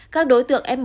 các đối tượng f một